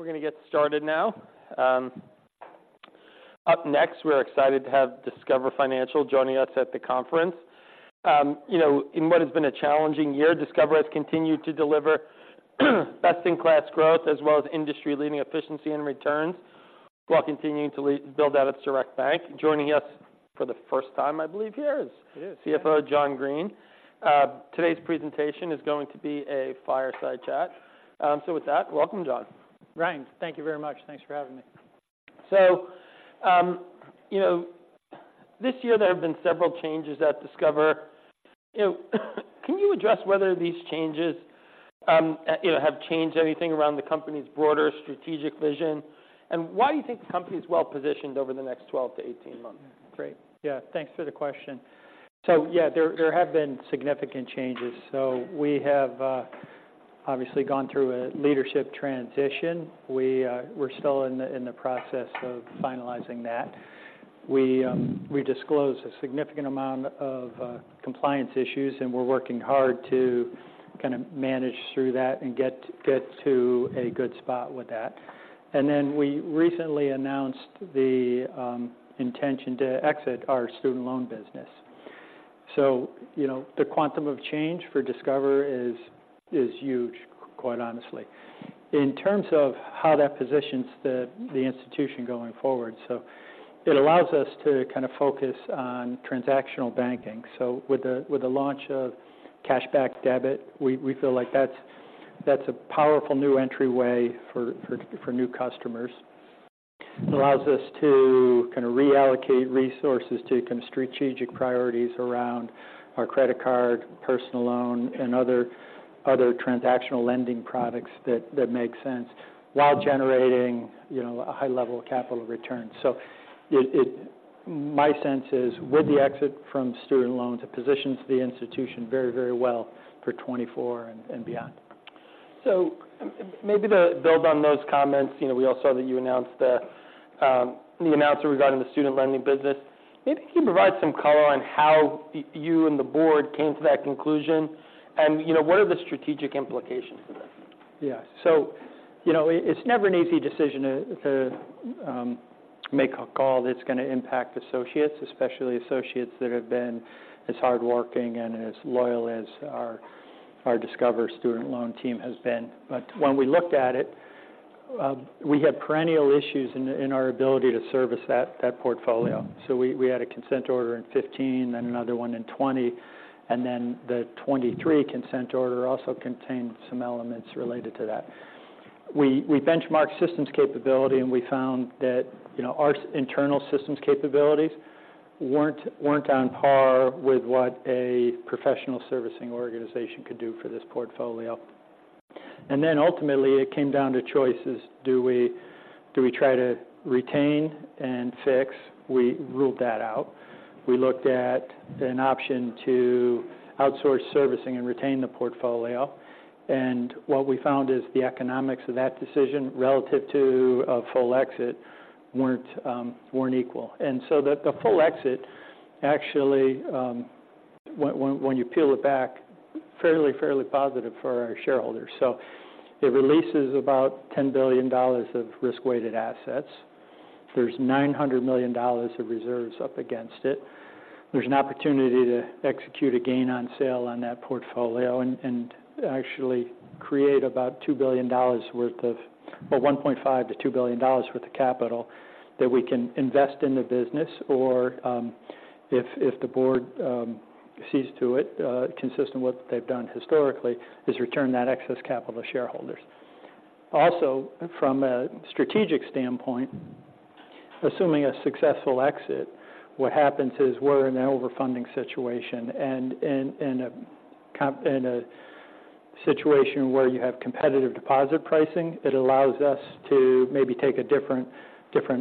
We're gonna get started now. Up next, we're excited to have Discover Financial joining us at the conference. You know, in what has been a challenging year, Discover has continued to deliver best-in-class growth as well as industry-leading efficiency and returns, while continuing to build out its direct bank. Joining us for the first time, I believe, here is- It is. CFO John Greene. Today's presentation is going to be a fireside chat. So with that, welcome, John. Ryan, thank you very much. Thanks for having me. So, you know, this year there have been several changes at Discover. You know, can you address whether these changes, you know, have changed anything around the company's broader strategic vision? And why do you think the company is well-positioned over the next 12-18 months? Great. Yeah, thanks for the question. So yeah, there have been significant changes. So we have obviously gone through a leadership transition. We're still in the process of finalizing that. We disclosed a significant amount of compliance issues, and we're working hard to kind of manage through that and get to a good spot with that. And then we recently announced the intention to exit our student loan business. So, you know, the quantum of change for Discover is huge, quite honestly. In terms of how that positions the institution going forward, so it allows us to kind of focus on transactional banking. So with the launch of Cashback Debit, we feel like that's a powerful new entryway for new customers. It allows us to kind of reallocate resources to kind of strategic priorities around our credit card, personal loan, and other transactional lending products that make sense, while generating, you know, a high level of capital returns. So my sense is, with the exit from student loans, it positions the institution very, very well for 2024 and beyond. Maybe to build on those comments, you know, we all saw that you announced the announcement regarding the student lending business. Maybe can you provide some color on how you and the board came to that conclusion? You know, what are the strategic implications of this? Yeah. So, you know, it, it's never an easy decision to make a call that's gonna impact associates, especially associates that have been as hardworking and as loyal as our Discover Student Loan team has been. But when we looked at it, we had perennial issues in our ability to service that portfolio. So we had a consent order in 2015, then another one in 2020, and then the 2023 consent order also contained some elements related to that. We benchmarked systems capability, and we found that, you know, our internal systems capabilities weren't on par with what a professional servicing organization could do for this portfolio. And then ultimately, it came down to choices: Do we try to retain and fix? We ruled that out. We looked at an option to outsource servicing and retain the portfolio, and what we found is the economics of that decision, relative to a full exit, weren't equal. And so the full exit actually, when you peel it back, fairly positive for our shareholders. So it releases about $10 billion of risk-weighted assets. There's $900 million of reserves up against it. There's an opportunity to execute a gain on sale on that portfolio and actually create about $2 billion worth of—or $1.5 billion-$2 billion worth of capital that we can invest in the business, or, if the board sees to it, consistent with what they've done historically, is return that excess capital to shareholders. Also, from a strategic standpoint, assuming a successful exit, what happens is we're in an overfunding situation, and in a situation where you have competitive deposit pricing, it allows us to maybe take a different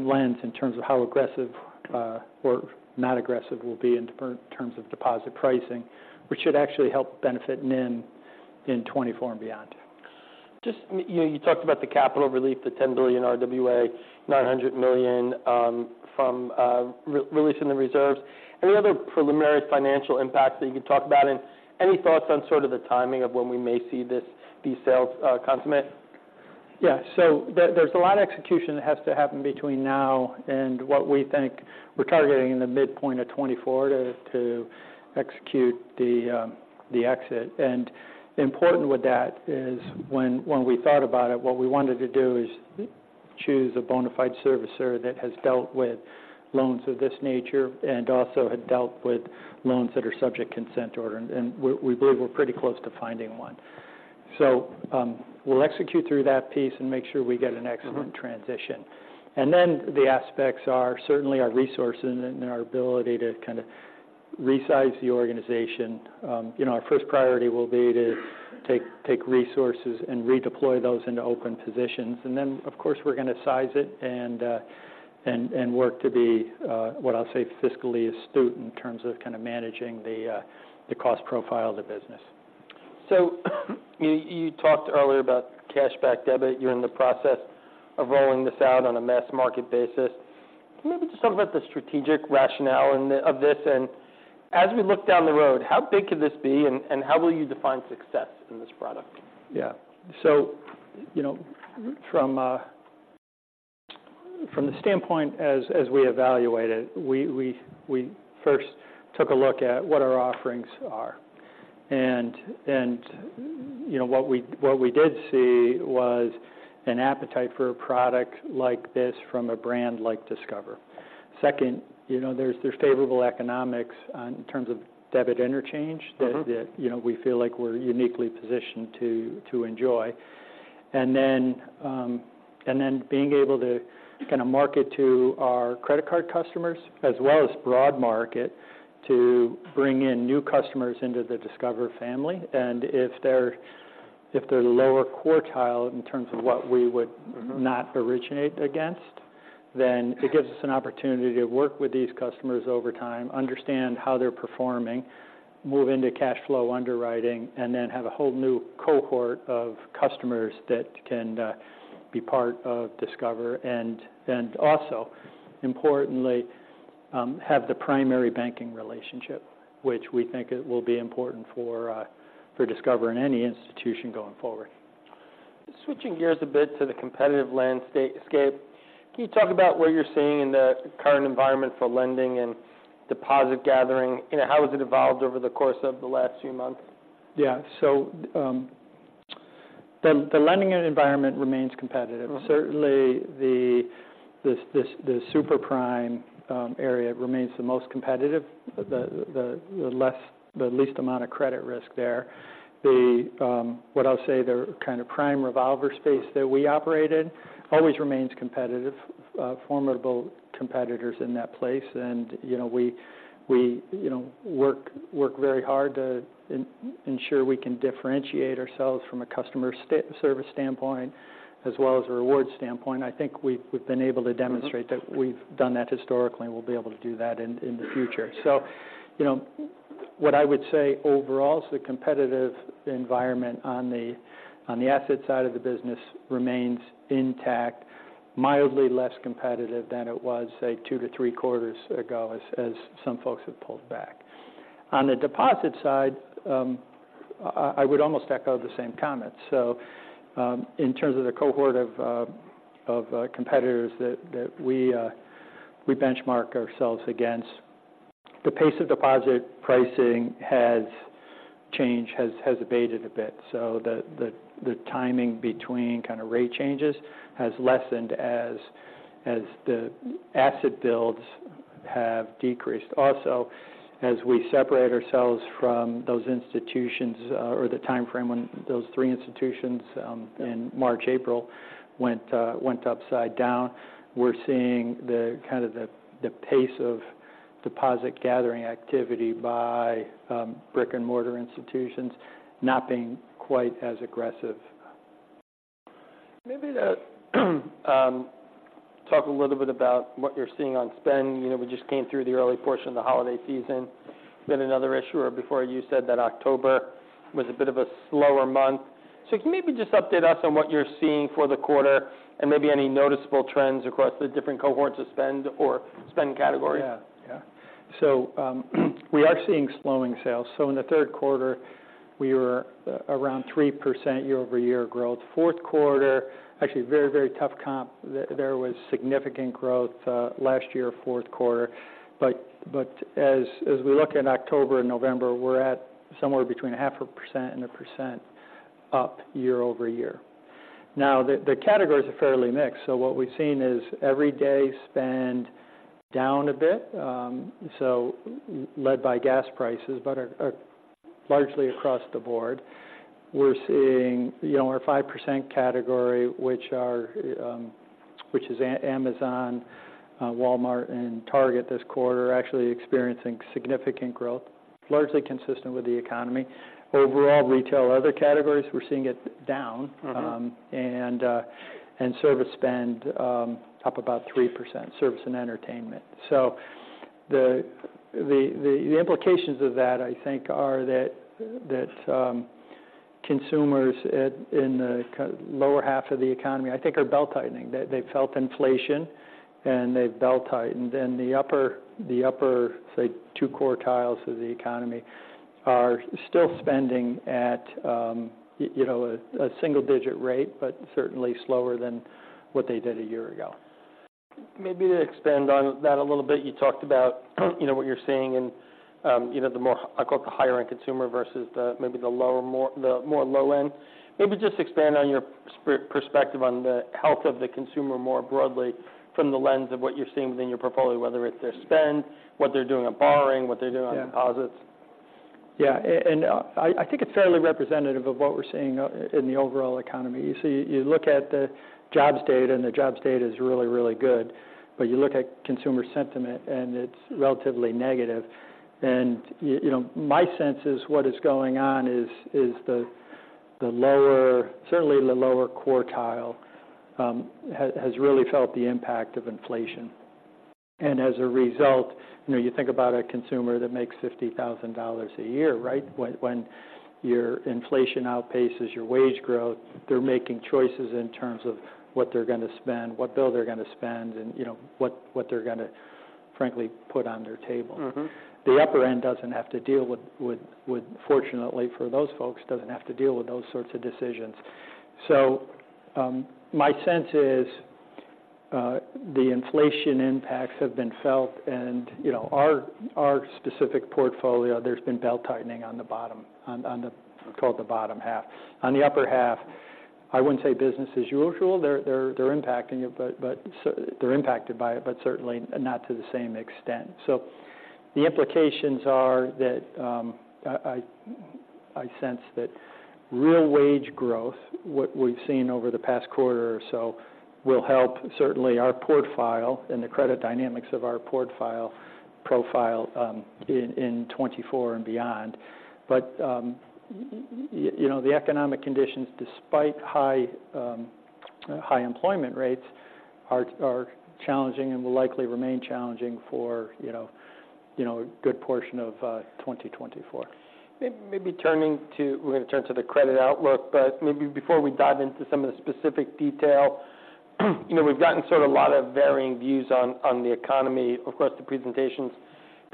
lens in terms of how aggressive or not aggressive we'll be in terms of deposit pricing, which should actually help benefit NIM in 2024 and beyond. Just, you know, you talked about the capital relief, the $10 billion RWA, $900 million from re-releasing the reserves. Any other preliminary financial impacts that you can talk about, and any thoughts on sort of the timing of when we may see these sales consummate? Yeah. So there's a lot of execution that has to happen between now and what we think. We're targeting the midpoint of 2024 to execute the exit. And important with that is when we thought about it, what we wanted to do is choose a bona fide servicer that has dealt with loans of this nature and also had dealt with loans that are subject to consent order, and we believe we're pretty close to finding one. So, we'll execute through that piece and make sure we get an excellent transition. And then the aspects are certainly our resources and our ability to kind of resize the organization. You know, our first priority will be to take resources and redeploy those into open positions. Then, of course, we're going to size it and work to be, what I'll say, fiscally astute in terms of kind of managing the cost profile of the business. So you talked earlier about Cashback Debit. You're in the process of rolling this out on a mass-market basis. Can you maybe just talk about the strategic rationale and the... of this? And as we look down the road, how big could this be, and how will you define success in this product? Yeah. So, you know, from the standpoint as we evaluate it, we first took a look at what our offerings are. And, you know, what we did see was an appetite for a product like this from a brand like Discover. Second, you know, there's favorable economics on, in terms of debit interchange- Mm-hmm that, you know, we feel like we're uniquely positioned to enjoy. And then, being able to kind of market to our credit card customers as well as broad market, to bring in new customers into the Discover family. And if they're lower quartile in terms of what we would- Mm-hmm not originate against, then it gives us an opportunity to work with these customers over time, understand how they're performing, move into cash flow underwriting, and then have a whole new cohort of customers that can be part of Discover. And, also, importantly, have the primary banking relationship, which we think it will be important for Discover and any institution going forward. Switching gears a bit to the competitive landscape. Can you talk about what you're seeing in the current environment for lending and deposit gathering, and how has it evolved over the course of the last few months? Yeah. So, the lending environment remains competitive. Mm-hmm. Certainly, the super prime area remains the most competitive. Mm-hmm. The least amount of credit risk there. What I'll say, the kind of prime revolver space that we operate in always remains competitive. Formidable competitors in that place, and, you know, we, you know, work very hard to ensure we can differentiate ourselves from a customer service standpoint, as well as a reward standpoint. I think we've been able to demonstrate- Mm-hmm that we've done that historically, and we'll be able to do that in the future. So, you know, what I would say overall is the competitive environment on the asset side of the business remains intact, mildly less competitive than it was, say, 2-3 quarters ago, as some folks have pulled back. On the deposit side, I would almost echo the same comment. So, in terms of the cohort of competitors that we benchmark ourselves against, the pace of deposit pricing has changed, has abated a bit. So the timing between kind of rate changes has lessened as the asset builds have decreased. Also, as we separate ourselves from those institutions, or the time frame when those three institutions, in March, April, went upside down, we're seeing the kind of pace of deposit gathering activity by brick-and-mortar institutions not being quite as aggressive. Maybe to talk a little bit about what you're seeing on spend. You know, we just came through the early portion of the holiday season. Then another issuer before you said that October was a bit of a slower month. So can you maybe just update us on what you're seeing for the quarter and maybe any noticeable trends across the different cohorts of spend or spending categories? Yeah. Yeah. So we are seeing slowing sales. So in the third quarter, we were around 3% year-over-year growth. Fourth quarter, actually a very, very tough comp. There was significant growth last year, fourth quarter. But as we look at October and November, we're at somewhere between 0.5% and 1% up year-over-year. Now, the categories are fairly mixed, so what we've seen is everyday spend down a bit, so led by gas prices, but largely across the board. We're seeing, you know, our 5% category, which is Amazon, Walmart, and Target this quarter, are actually experiencing significant growth, largely consistent with the economy. Overall, retail, other categories, we're seeing it down. Mm-hmm. Service spend up about 3%, service and entertainment. So the implications of that, I think, are that consumers in the lower half of the economy, I think, are belt-tightening. They've felt inflation, and they've belt-tightened. Then the upper, say, two quartiles of the economy are still spending at, you know, a single-digit rate, but certainly slower than what they did a year ago. Maybe to expand on that a little bit, you talked about, you know, what you're seeing in, you know, the more, I call it, the higher-end consumer versus the maybe the lower, more the more low end. Maybe just expand on your perspective on the health of the consumer more broadly from the lens of what you're seeing within your portfolio, whether it's their spend, what they're doing on borrowing, what they're doing on deposits. Yeah, and I think it's fairly representative of what we're seeing in the overall economy. You see, you look at the jobs data, and the jobs data is really, really good, but you look at consumer sentiment, and it's relatively negative. And you know, my sense is what is going on is the lower, certainly the lower quartile, has really felt the impact of inflation. And as a result, you know, you think about a consumer that makes $50,000 a year, right? When your inflation outpaces your wage growth, they're making choices in terms of what they're going to spend, what bill they're going to spend, and, you know, what they're gonna, frankly, put on their table. Mm-hmm. The upper end doesn't have to deal with, fortunately, for those folks, doesn't have to deal with those sorts of decisions. So, my sense is, the inflation impacts have been felt and, you know, our specific portfolio, there's been belt-tightening on the bottom, we call it the bottom half. On the upper half, I wouldn't say business as usual. They're impacting it, but they're impacted by it, but certainly not to the same extent. So the implications are that, I sense that real wage growth, what we've seen over the past quarter or so, will help certainly our portfolio and the credit dynamics of our portfolio profile, in 2024 and beyond. But, you know, the economic conditions, despite high, high employment rates, are challenging and will likely remain challenging for, you know, you know, a good portion of 2024. Maybe we're going to turn to the credit outlook, but maybe before we dive into some of the specific detail, you know, we've gotten sort of a lot of varying views on the economy across the presentations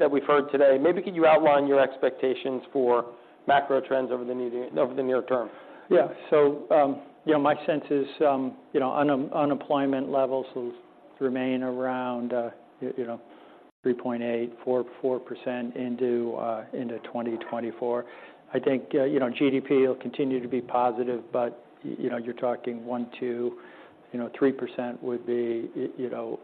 that we've heard today. Maybe could you outline your expectations for macro trends over the near term? Yeah. So, you know, my sense is, you know, unemployment levels will remain around, you know, 3.8%-4.4% into 2024. I think, you know, GDP will continue to be positive, but, you know, you're talking 1, 2... You know, 3% would be, you know,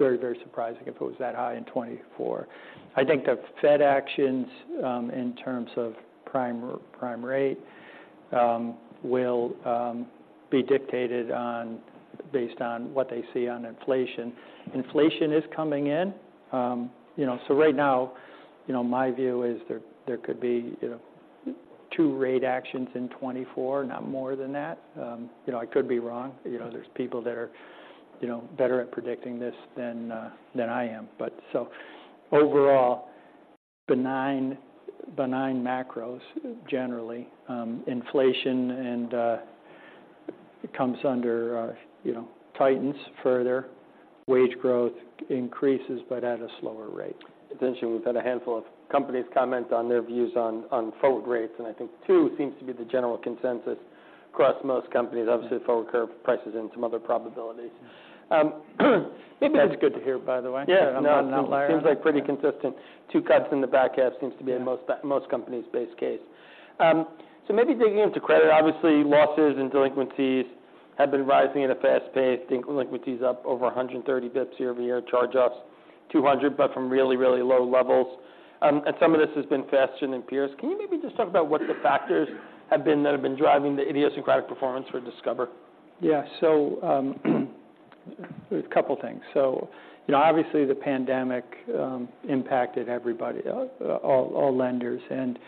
very, very surprising if it was that high in 2024. I think the Fed actions, in terms of prime rate, will be dictated based on what they see on inflation. Inflation is coming in. So right now, you know, my view is there could be, you know, 2 rate actions in 2024, not more than that. You know, I could be wrong. You know, there's people that are, you know, better at predicting this than I am. But overall, benign, benign macros, generally, inflation and it comes under, you know, tightens further. Wage growth increases, but at a slower rate. Essentially, we've had a handful of companies comment on their views on forward rates, and I think two seems to be the general consensus across most companies. Obviously, the forward curve prices in some other probabilities. That's good to hear, by the way. Yeah. I'm not an outlier. Seems like pretty consistent. Two cuts in the back half seems to be- Yeah in most companies' base case. So maybe digging into credit, obviously, losses and delinquencies have been rising at a fast pace. I think delinquency is up over 130 basis points year-over-year, charge-offs 200, but from really, really low levels. And some of this has been faster than peers. Can you maybe just talk about what the factors have been that have been driving the idiosyncratic performance for Discover? Yeah. So, a couple of things. So, you know, obviously, the pandemic impacted everybody, all, all lenders, and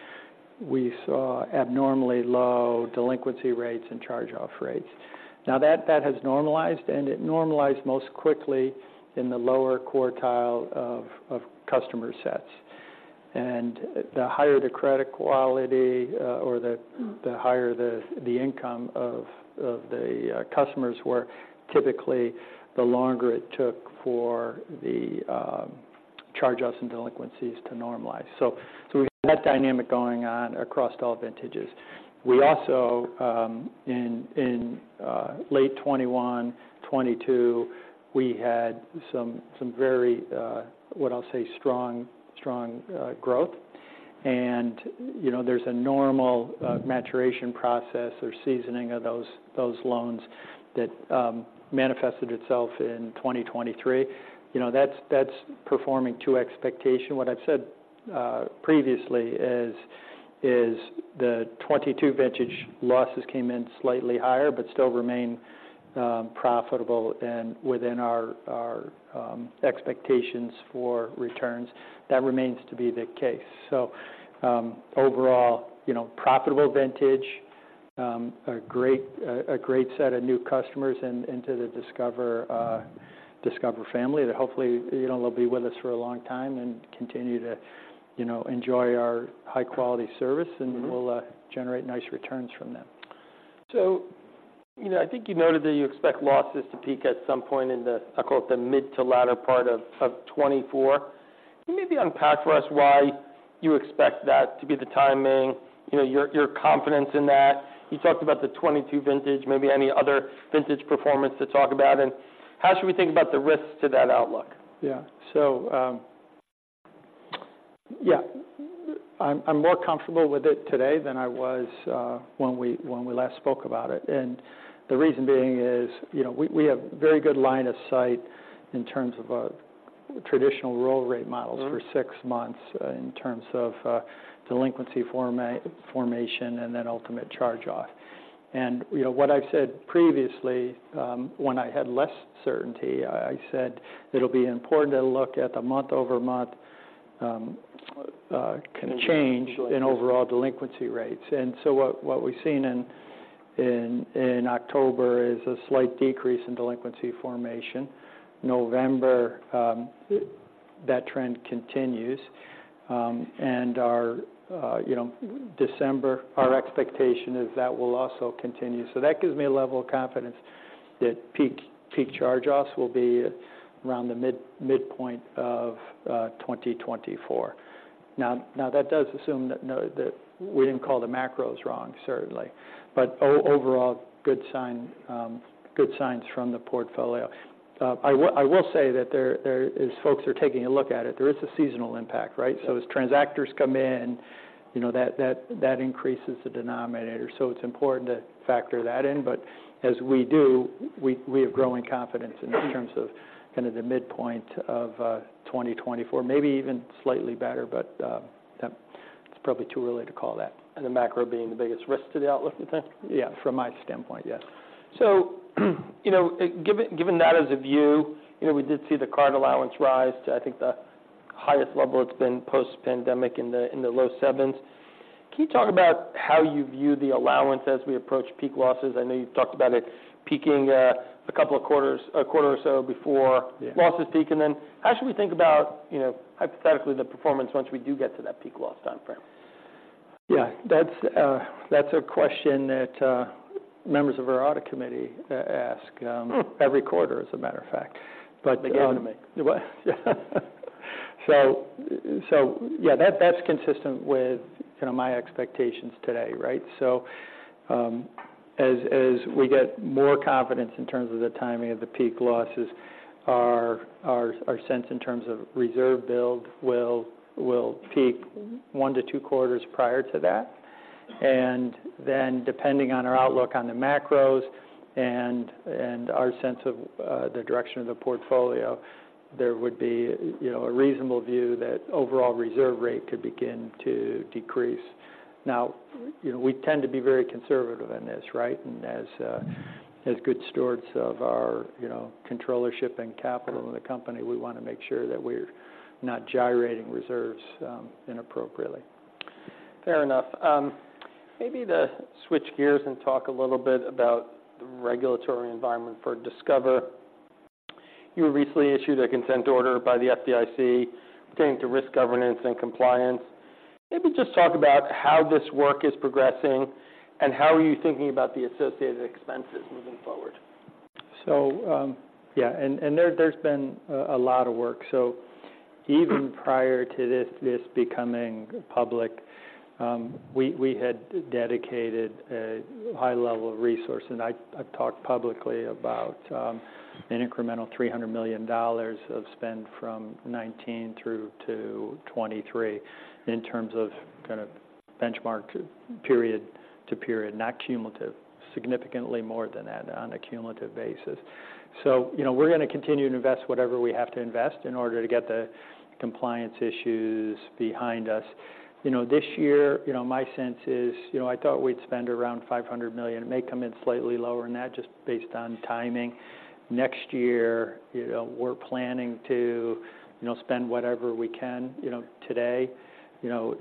we saw abnormally low delinquency rates and charge-off rates. Now that has normalized, and it normalized most quickly in the lower quartile of customer sets. And the higher the credit quality or the higher the income of the customers were, typically, the longer it took for the charge-offs and delinquencies to normalize. So we had that dynamic going on across all vintages. We also in late 2021, 2022, we had some very what I'll say, strong growth. And, you know, there's a normal maturation process or seasoning of those loans that manifested itself in 2023. You know, that's performing to expectation. What I've said previously is the 2022 vintage losses came in slightly higher, but still remain profitable and within our expectations for returns. That remains to be the case. So, overall, you know, profitable vintage, a great set of new customers into the Discover family, that hopefully, you know, they'll be with us for a long time and continue to, you know, enjoy our high-quality service- Mm-hmm... and we'll generate nice returns from them. So, you know, I think you noted that you expect losses to peak at some point in the, I call it, the mid to latter part of, of 2024. Can you maybe unpack for us why you expect that to be the timing, you know, your, your confidence in that? You talked about the 2022 vintage, maybe any other vintage performance to talk about, and how should we think about the risks to that outlook? Yeah. So, yeah, I'm more comfortable with it today than I was when we last spoke about it. And the reason being is, you know, we have very good line of sight in terms of traditional roll rate models- Mm-hmm... for six months, in terms of, delinquency formation and then ultimate charge-off. You know, what I've said previously, when I had less certainty, I said that it'll be important to look at the month-over-month change- Change In overall delinquency rates. And so what we've seen in October is a slight decrease in delinquency formation. November, that trend continues. And our, you know, December, our expectation is that will also continue. So that gives me a level of confidence that peak charge-offs will be around the midpoint of 2024. Now, that does assume that we didn't call the macros wrong, certainly. But overall, good sign, good signs from the portfolio. I will say that there, as folks are taking a look at it, there is a seasonal impact, right? So as transactors come in, you know, that increases the denominator. So it's important to factor that in, but as we do, we have growing confidence in terms of kind of the midpoint of 2024, maybe even slightly better. But, it's probably too early to call that. The macro being the biggest risk to the outlook, you think? Yeah, from my standpoint, yes. You know, given that as a view, you know, we did see the card allowance rise to, I think, the highest level it's been post-pandemic in the low sevens. Can you talk about how you view the allowance as we approach peak losses? I know you've talked about it peaking, a couple of quarters, a quarter or so before- Yeah losses peak. And then how should we think about, you know, hypothetically, the performance once we do get to that peak loss timeframe? Yeah, that's a question that members of our audit committee ask every quarter, as a matter of fact. But, They gave it to me. What? So yeah, that's consistent with, you know, my expectations today, right? So, as we get more confidence in terms of the timing of the peak losses, our sense in terms of reserve build will peak one to two quarters prior to that. And then, depending on our outlook on the macros and our sense of the direction of the portfolio, there would be, you know, a reasonable view that overall reserve rate could begin to decrease. Now, you know, we tend to be very conservative in this, right? And as good stewards of our, you know, controllership and capital in the company, we want to make sure that we're not gyrating reserves inappropriately. Fair enough. Maybe to switch gears and talk a little bit about the regulatory environment for Discover. You were recently issued a consent order by the FDIC pertaining to risk governance and compliance. Maybe just talk about how this work is progressing, and how are you thinking about the associated expenses moving forward? So, yeah. And there, there's been a lot of work. So even prior to this becoming public, we had dedicated a high level of resource. And I've talked publicly about an incremental $300 million of spend from 2019 through to 2023, in terms of kind of benchmark period to period, not cumulative. Significantly more than that on a cumulative basis. So, you know, we're going to continue to invest whatever we have to invest in order to get the compliance issues behind us. You know, this year, you know, my sense is, you know, I thought we'd spend around $500 million. It may come in slightly lower than that, just based on timing. Next year, you know, we're planning to, you know, spend whatever we can. You know, today, you know,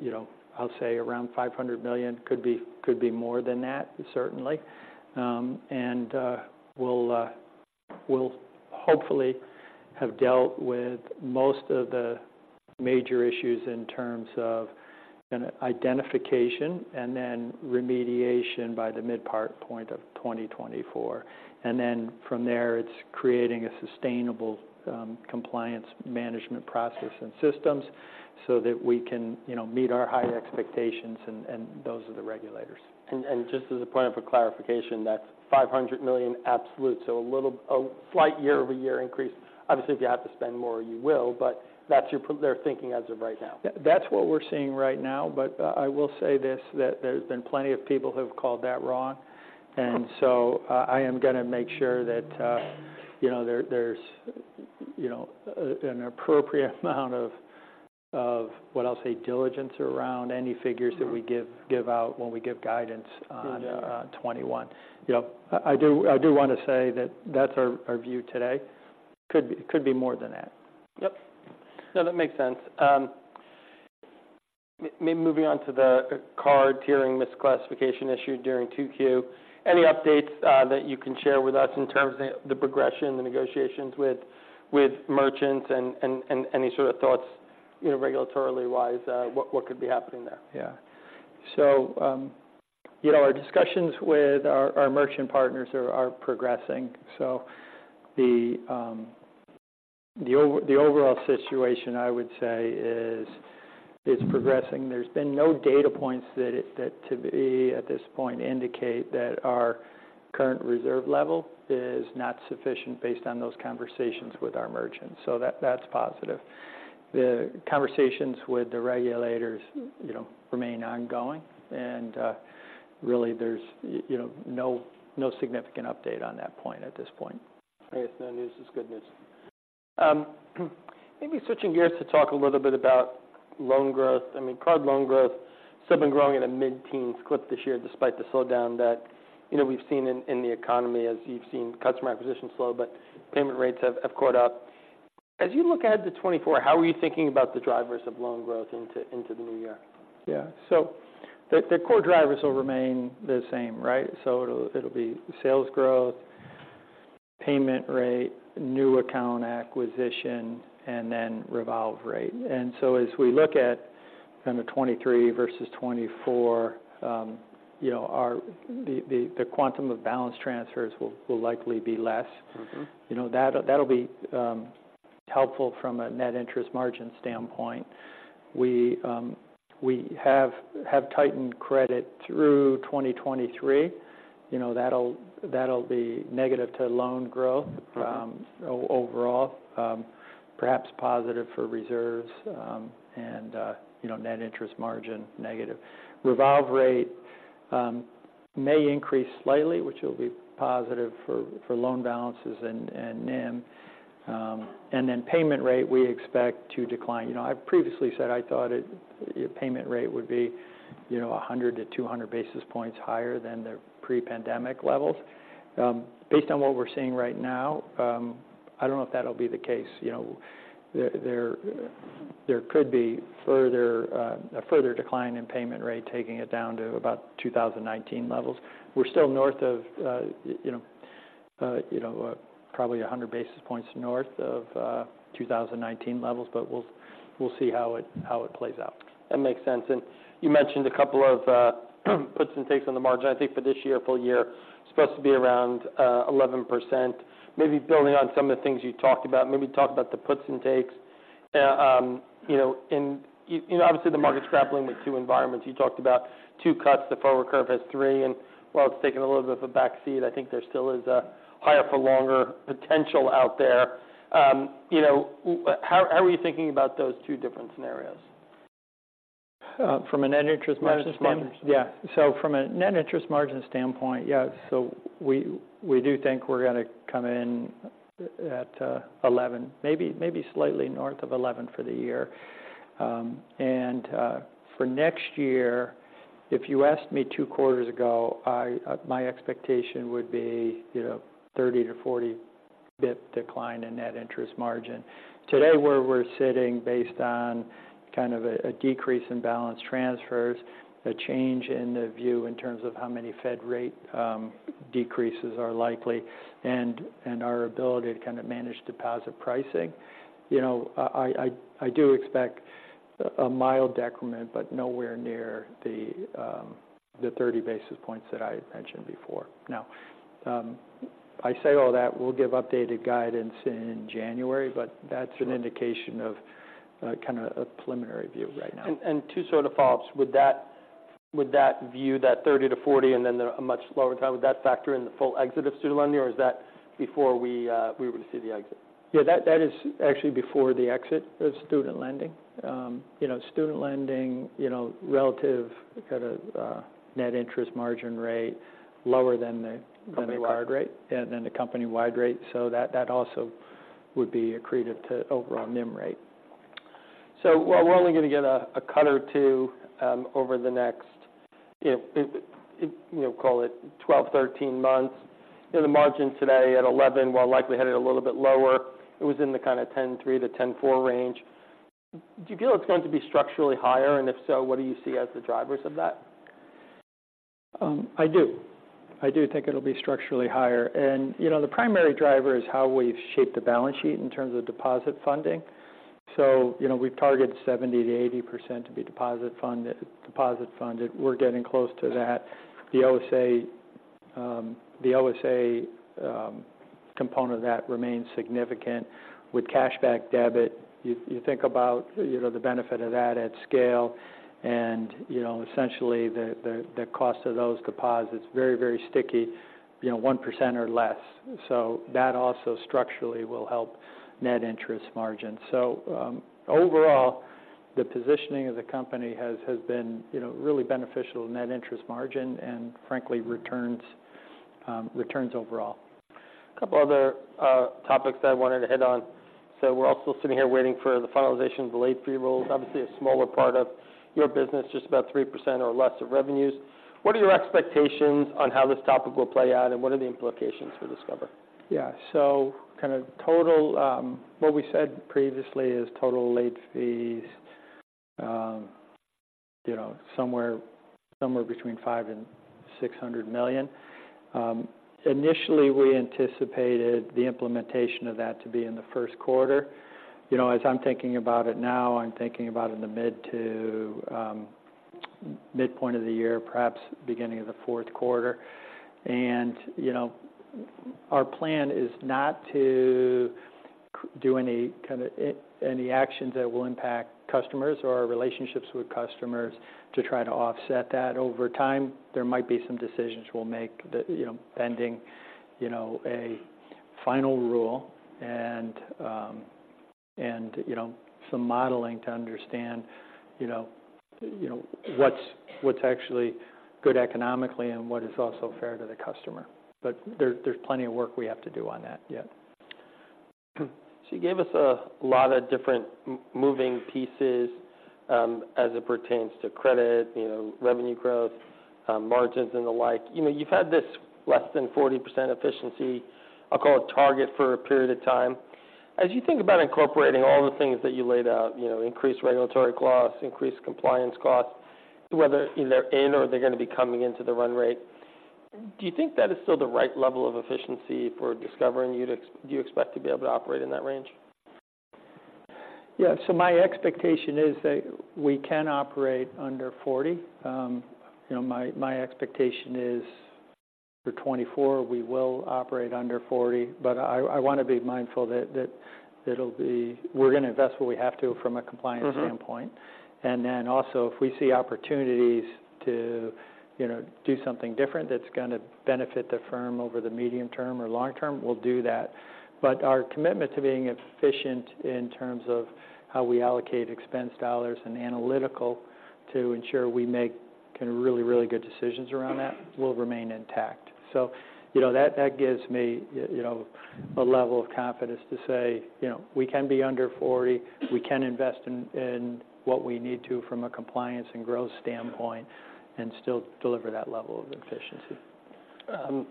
you know, I'll say around $500 million. Could be, could be more than that, certainly. And we'll hopefully have dealt with most of the major issues in terms of an identification and then remediation by the midpoint of 2024. And then from there, it's creating a sustainable compliance management process and systems so that we can, you know, meet our high expectations, and those of the regulators.... Just as a point of clarification, that's $500 million absolute, so a slight year-over-year increase. Obviously, if you have to spend more, you will, but that's their thinking as of right now? That's what we're seeing right now. But, I will say this, that there's been plenty of people who've called that wrong. And so, I am going to make sure that, you know, there's, you know, an appropriate amount of what I'll say, diligence around any figures- Mm-hmm that we give out when we give guidance on Yeah... 21. You know, I, I do, I do want to say that that's our, our view today. Could be, could be more than that. Yep. No, that makes sense. Maybe moving on to the card tiering misclassification issue during 2Q. Any updates that you can share with us in terms of the progression, the negotiations with merchants, and any sort of thoughts, you know, regulatorily-wise, what could be happening there? Yeah. So, you know, our discussions with our merchant partners are progressing. So the overall situation, I would say, is progressing. There's been no data points that to me, at this point, indicate that our current reserve level is not sufficient based on those conversations with our merchants. So that's positive. The conversations with the regulators, you know, remain ongoing. And really there's, you know, no significant update on that point at this point. I guess no news is good news. Maybe switching gears to talk a little bit about loan growth. I mean, card loan growth still been growing at a mid-teens clip this year, despite the slowdown that, you know, we've seen in the economy, as you've seen customer acquisition slow, but payment rates have caught up.... As you look ahead to 2024, how are you thinking about the drivers of loan growth into the new year? Yeah. So the core drivers will remain the same, right? So it'll be sales growth, payment rate, new account acquisition, and then revolve rate. And so as we look at kind of 2023 versus 2024, you know, the quantum of balance transfers will likely be less. Mm-hmm. You know, that, that'll be helpful from a net interest margin standpoint. We have tightened credit through 2023. You know, that'll be negative to loan growth, overall, perhaps positive for reserves, and, you know, net interest margin, negative. Revolve rate may increase slightly, which will be positive for loan balances and NIM. And then payment rate, we expect to decline. You know, I've previously said I thought it, payment rate would be, you know, 100-200 basis points higher than the pre-pandemic levels. Based on what we're seeing right now, I don't know if that'll be the case. You know, there could be a further decline in payment rate, taking it down to about 2019 levels. We're still north of, you know, you know, probably 100 basis points north of 2019 levels, but we'll see how it plays out. That makes sense. And you mentioned a couple of puts and takes on the margin. I think for this year, full year, it's supposed to be around 11%. Maybe building on some of the things you talked about, maybe talk about the puts and takes. You know, and you know, obviously, the market's grappling with two environments. You talked about two cuts, the forward curve has three, and while it's taking a little bit of a backseat, I think there still is a higher for longer potential out there. You know, how are you thinking about those two different scenarios? From a Net Interest Margin standpoint? Net interest margins. Yeah. So from a net interest margin standpoint, yeah, so we do think we're gonna come in at 11, maybe slightly north of 11 for the year. And for next year, if you asked me two quarters ago, my expectation would be, you know, 30-40 basis points decline in net interest margin. Today, where we're sitting, based on kind of a decrease in balance transfers, a change in the view in terms of how many Fed rate decreases are likely, and our ability to kind of manage deposit pricing, you know, I do expect a mild decrement, but nowhere near the 30 basis points that I had mentioned before. Now, I say all that, we'll give updated guidance in January, but that's an indication of kind of a preliminary view right now. And two sort of follow-ups. Would that view, that 30-40, and then a much lower time, would that factor in the full exit of student lending, or is that before we, we would see the exit? Yeah, that, that is actually before the exit of student lending. You know, student lending, you know, relative kind of, net interest margin rate, lower than the- Company-wide... card rate, and than the company-wide rate, so that, that also would be accretive to overall NIM rate. While we're only going to get a cut or two over the next, you know, call it 12, 13 months, you know, the margin today at 11%, while likely headed a little bit lower, it was in the kind of 10.3%-10.4% range. Do you feel it's going to be structurally higher? And if so, what do you see as the drivers of that? I do. I do think it'll be structurally higher. And, you know, the primary driver is how we've shaped the balance sheet in terms of deposit funding. So, you know, we've targeted 70%-80% to be deposit funded, deposit funded. We're getting close to that. The OSA, the OSA component of that remains significant. With cash back debit, you think about, you know, the benefit of that at scale, and, you know, essentially, the cost of those deposits, very, very sticky, you know, 1% or less. So that also structurally will help net interest margin. So, overall, the positioning of the company has been, you know, really beneficial to net interest margin and frankly, returns, returns overall. A couple other topics that I wanted to hit on. So we're all still sitting here waiting for the finalization of the late fee rule, obviously a smaller part of your business, just about 3% or less of revenues. What are your expectations on how this topic will play out, and what are the implications for Discover? Yeah. So kind of total, what we said previously is total late fees, you know, somewhere between $500 million-$600 million. Initially, we anticipated the implementation of that to be in the first quarter. You know, as I'm thinking about it now, I'm thinking about in the mid to midpoint of the year, perhaps beginning of the fourth quarter. And, you know, our plan is not to do any kind of any actions that will impact customers or our relationships with customers to try to offset that over time. There might be some decisions we'll make that you know, pending, you know, a final rule and, and, you know, some modeling to understand, you know, what's actually good economically and what is also fair to the customer. But there's plenty of work we have to do on that yet. So you gave us a lot of different moving pieces, as it pertains to credit, you know, revenue growth, margins and the like. You know, you've had this less than 40% efficiency, I'll call it, target for a period of time. As you think about incorporating all the things that you laid out, you know, increased regulatory costs, increased compliance costs, whether either in or they're gonna be coming into the run rate, do you think that is still the right level of efficiency for Discover, and do you, do you expect to be able to operate in that range? Yeah. So my expectation is that we can operate under 40. You know, my expectation is, for 2024, we will operate under 40. But I wanna be mindful that it'll be- we're gonna invest what we have to from a compliance- Mm-hmm standpoint. And then also, if we see opportunities to, you know, do something different that's gonna benefit the firm over the medium term or long term, we'll do that. But our commitment to being efficient in terms of how we allocate expense dollars and analytically to ensure we make kind of really, really good decisions around that, will remain intact. So you know, that gives me, you know, a level of confidence to say, "You know, we can be under 40. We can invest in what we need to from a compliance and growth standpoint, and still deliver that level of efficiency.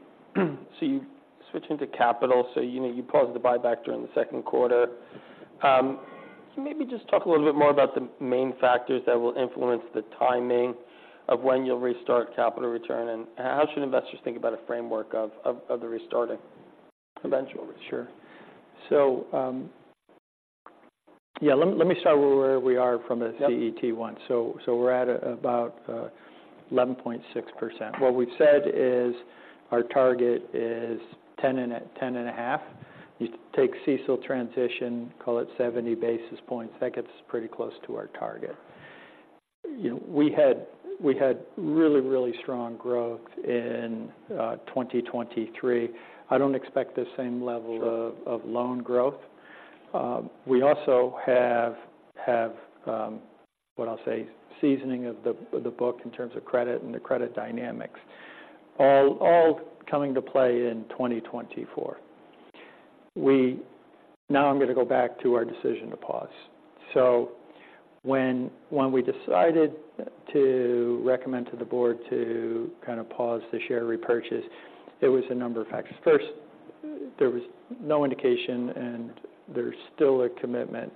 So you've switched into capital, so, you know, you paused the buyback during the second quarter. So maybe just talk a little bit more about the main factors that will influence the timing of when you'll restart capital return, and how should investors think about a framework of the restarting eventually? Sure. So, yeah, let me, let me start with where we are from a- Yep CET1. So we're at about 11.6%. What we've said is our target is 10.5. You take CECL transition, call it 70 basis points. That gets pretty close to our target. You know, we had really strong growth in 2023. I don't expect the same level- Sure... of loan growth. We also have what I'll say, seasoning of the book in terms of credit and the credit dynamics, all coming to play in 2024. We. Now I'm gonna go back to our decision to pause. So when we decided to recommend to the board to kind of pause the share repurchase, there was a number of factors. First, there was no indication, and there's still a commitment.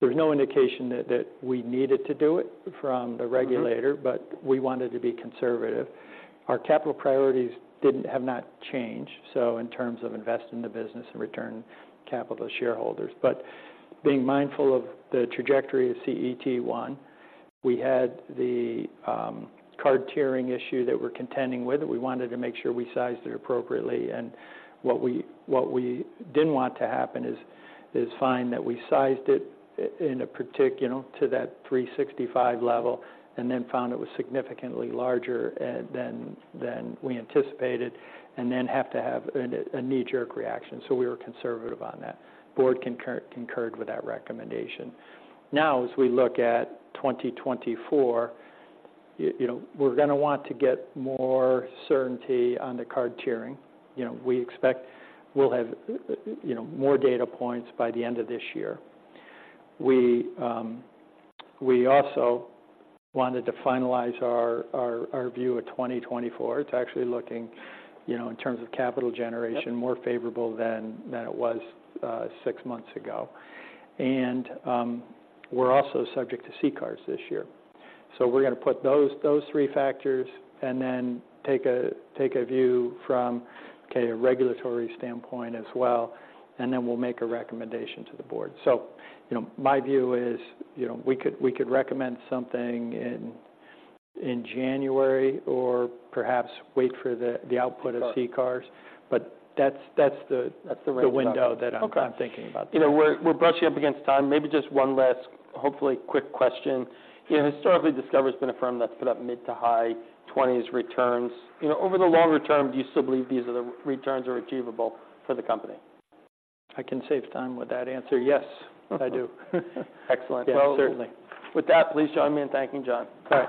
There's no indication that we needed to do it from the regulator- Mm-hmm... but we wanted to be conservative. Our capital priorities didn't, have not changed, so in terms of investing in the business and return capital to shareholders. But being mindful of the trajectory of CET1, we had the card tiering issue that we're contending with, and we wanted to make sure we sized it appropriately. And what we didn't want to happen is find that we sized it you know, to that 365 level, and then found it was significantly larger than we anticipated, and then have to have a knee-jerk reaction. So we were conservative on that. Board concurred with that recommendation. Now, as we look at 2024, you know, we're gonna want to get more certainty on the card tiering. You know, we expect we'll have, you know, more data points by the end of this year. We also wanted to finalize our view of 2024. It's actually looking, you know, in terms of capital generation- Yep... more favorable than it was six months ago. And, we're also subject to CCAR this year. So we're gonna put those three factors and then take a view from, okay, a regulatory standpoint as well, and then we'll make a recommendation to the board. So, you know, my view is, you know, we could recommend something in January, or perhaps wait for the output- Sure... of CCARs, but that's the- That's the range.... the window that I'm- Okay -thinking about. You know, we're brushing up against time. Maybe just one last, hopefully, quick question. Yep. You know, historically, Discover's been a firm that's put up mid- to high-20s returns. You know, over the longer term, do you still believe these are the returns are achievable for the company? I can save time with that answer. Yes, I do. Excellent. Yeah, certainly. With that, please join me in thanking John. Thanks.